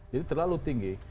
jadi terlalu tinggi